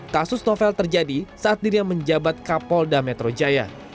kasus novel terjadi saat dirinya menjabat kapolda metro jaya